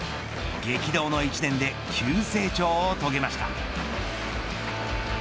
激動の１年で急成長を遂げました。